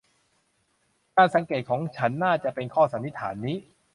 การสังเกตของฉันน่าจะเป็นข้อสันนิษฐานนี้